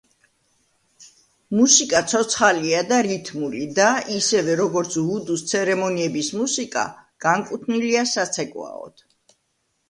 მუსიკა ცოცხალია და რითმული და, ისევე როგორც ვუდუს ცერემონიების მუსიკა, განკუთვნილია საცეკვაოდ.